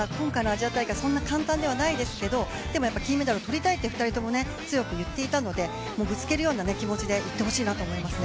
そんな簡単ではないですけど金メダルをとりたいと２人とも強く言っていたので、ぶつけるような気持ちでいってほしいと思いますね。